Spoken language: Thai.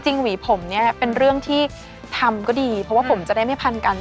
หวีผมเนี่ยเป็นเรื่องที่ทำก็ดีเพราะว่าผมจะได้ไม่พันกัน